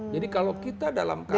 jadi kalau kita dalam keadaan